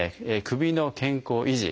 首の健康維持